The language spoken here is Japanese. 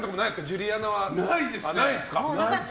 ジュリアナは。